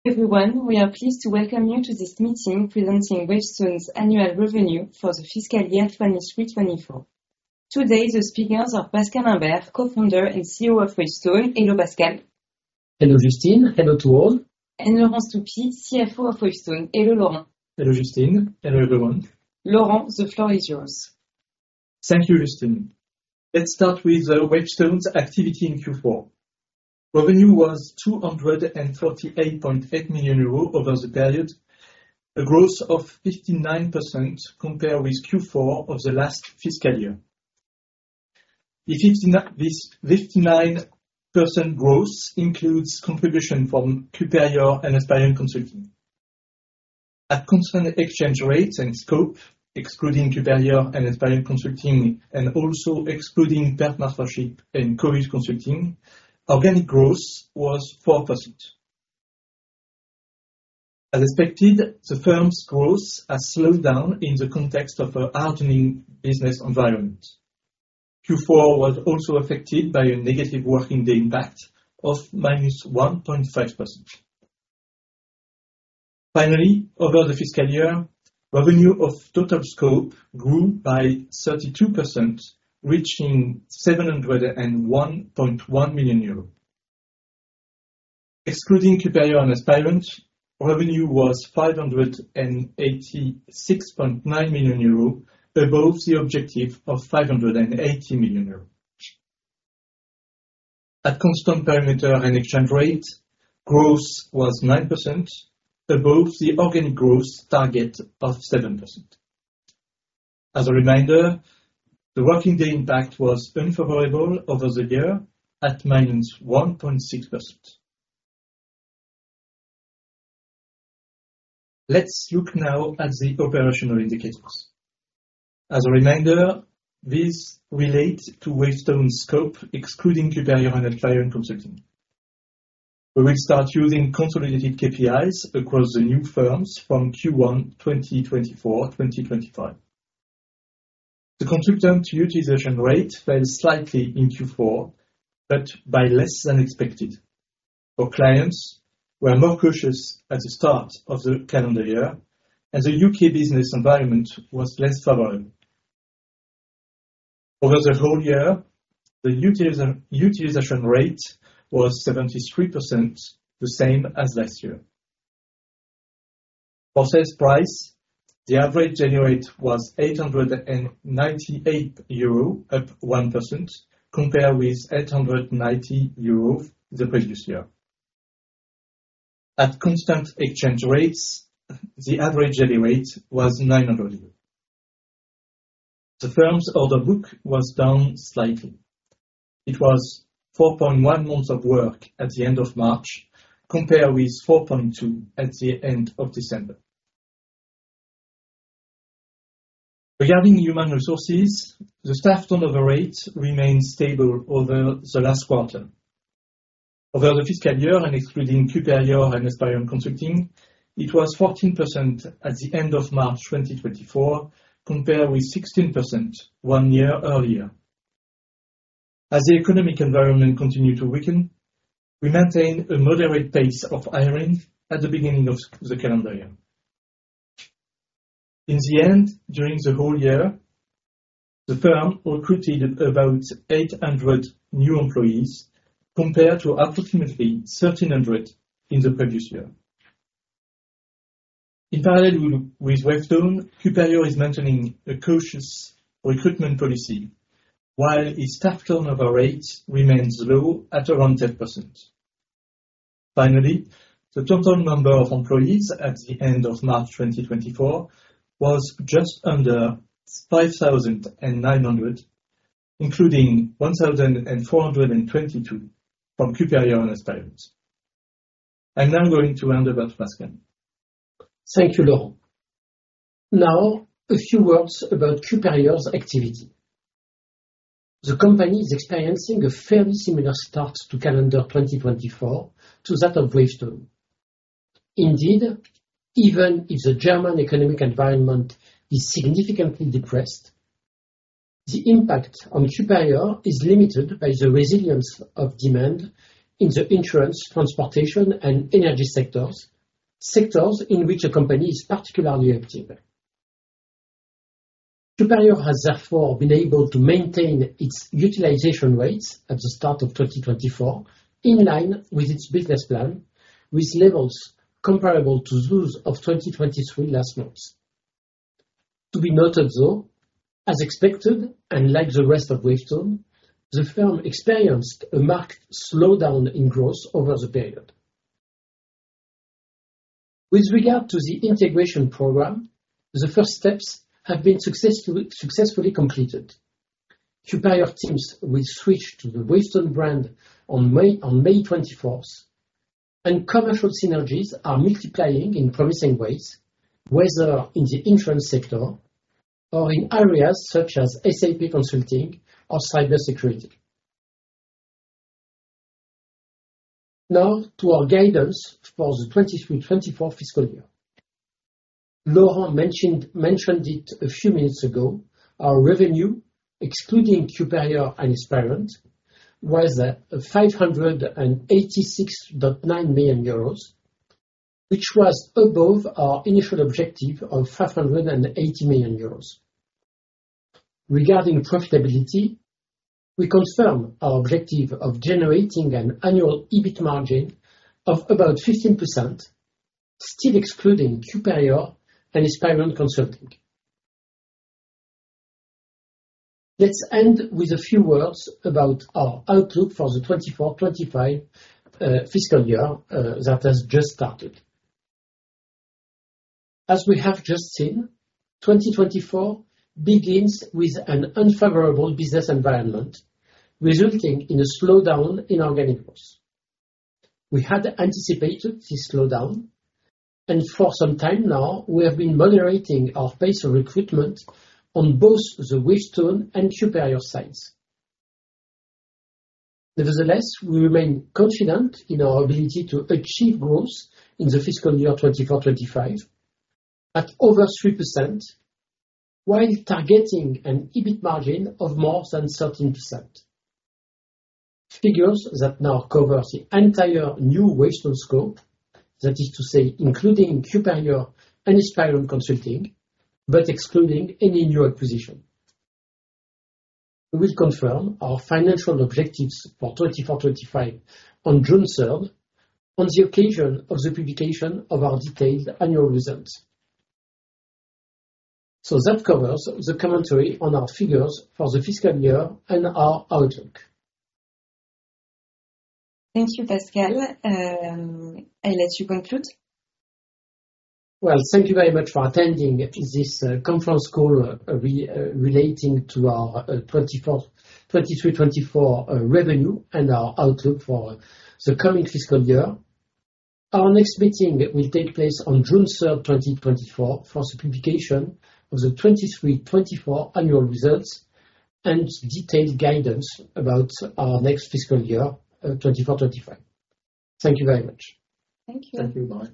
Everyone, we are pleased to welcome you to this meeting presenting Wavestone's annual revenue for the fiscal year 2023/2024. Today, the speakers are Pascal Imbert, Co-Founder and CEO of Wavestone. Hello, Pascal. Hello, Justine. Hello to all. Laurent Stoupy, CFO of Wavestone. Hello, Laurent. Hello, Justine. Hello, everyone. Laurent, the floor is yours. Thank you, Justine. Let's start with Wavestone's activity in Q4. Revenue was 248.8 million euros over the period, a growth of 59% compared with Q4 of the last fiscal year. This 59% growth includes contribution from Q_PERIOR and Aspirant Consulting. At constant exchange rates and scope, excluding Q_PERIOR and Aspirant Consulting, and also excluding PEN Partnership and Cœus Consulting, organic growth was 4%. As expected, the firm's growth has slowed down in the context of a hardening business environment. Q4 was also affected by a negative working day impact of -1.5%. Finally, over the fiscal year, revenue of total scope grew by 32%, reaching 701.1 million euros. Excluding Q_PERIOR and Aspirant Consulting, revenue was 586.9 million euros, above the objective of 580 million euros. At constant parameter and exchange rate, growth was 9% above the organic growth target of 7%. As a reminder, the working day impact was unfavorable over the year, at -1.6%. Let's look now at the operational indicators. As a reminder, these relate to Wavestone scope, excluding Q_PERIOR and Aspirant Consulting. We will start using consolidated KPIs across the new firms from Q1 2024-2025. The consultant utilization rate fell slightly in Q4, but by less than expected. Our clients were more cautious at the start of the calendar year, and the U.K. business environment was less favorable. Over the whole year, the utilization rate was 73%, the same as last year. For sales price, the average daily rate was 898 euros, up 1%, compared with 890 euros the previous year. At constant exchange rates, the average daily rate was 900 euros. The firm's order book was down slightly. It was 4.1 months of work at the end of March, compared with 4.2 months at the end of December. Regarding human resources, the staff turnover rate remained stable over the last quarter. Over the fiscal year, and excluding Q_PERIOR and Aspirant Consulting, it was 14% at the end of March 2024, compared with 16% one year earlier. As the economic environment continued to weaken, we maintained a moderate pace of hiring at the beginning of the calendar year. In the end, during the whole year, the firm recruited about 800 new employees, compared to approximately 1,300 in the previous year. In parallel with Wavestone, Q_PERIOR is maintaining a cautious recruitment policy, while its staff turnover rate remains low at around 10%. Finally, the total number of employees at the end of March 2024 was just under 5,900, including 1,422 from Q_PERIOR and Aspirant. I'm now going to hand over to Pascal. Thank you, Laurent. Now, a few words about Q_PERIOR's activity. The company is experiencing a fairly similar start to calendar 2024 to that of Wavestone. Indeed, even if the German economic environment is significantly depressed, the impact on Q_PERIOR is limited by the resilience of demand in the insurance, transportation, and energy sectors, sectors in which the company is particularly active. Q_PERIOR has therefore been able to maintain its utilization rates at the start of 2024, in line with its business plan, with levels comparable to those of 2023 last months. To be noted, though, as expected, and like the rest of Wavestone, the firm experienced a marked slowdown in growth over the period. With regard to the integration program, the first steps have been successfully completed. Q_PERIOR teams will switch to the Wavestone brand on May 24th, and commercial synergies are multiplying in promising ways, whether in the insurance sector or in areas such as SAP consulting or cybersecurity. Now, to our guidance for the 2023/2024 fiscal year. Laurent mentioned it a few minutes ago, our revenue, excluding Q_PERIOR and Aspirant, was at EUR 586.9 million, which was above our initial objective of EUR 580 million. Regarding profitability, we confirm our objective of generating an annual EBIT margin of about 15%, still excluding Q_PERIOR and Aspirant Consulting. Let's end with a few words about our outlook for the 2024/2025 fiscal year that has just started. As we have just seen, 2024 begins with an unfavorable business environment, resulting in a slowdown in organic growth. We had anticipated this slowdown, and for some time now, we have been moderating our pace of recruitment on both the Wavestone and Q_PERIOR sides. Nevertheless, we remain confident in our ability to achieve growth in the fiscal year 2024/2025, at over 3%, while targeting an EBIT margin of more than 13%. Figures that now cover the entire new Wavestone scope, that is to say, including Q_PERIOR and Aspirant Consulting, but excluding any new acquisition. We will confirm our financial objectives for 2024/2025 on June 3rd, on the occasion of the publication of our detailed annual results. So that covers the commentary on our figures for the fiscal year and our outlook. Thank you, Pascal. I let you conclude. Well, thank you very much for attending this conference call, relating to our 2024, 2023/2024 revenue and our outlook for the coming fiscal year. Our next meeting will take place on June 3rd, 2024, for the publication of the 2023/2024 annual results, and detailed guidance about our next fiscal year, 2024/2025. Thank you very much. Thank you. Thank you, bye.